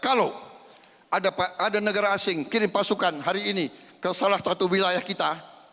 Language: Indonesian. kalau ada negara asing kirim pasukan hari ini ke salah satu wilayah kita